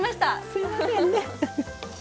すいませんね。